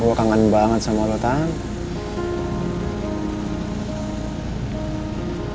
gue kangen banget sama lo tan